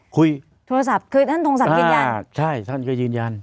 คุยโทรศัพท์คือท่านทงศักดิ์ยืนยันอ่าใช่ท่านก็ยืนยัน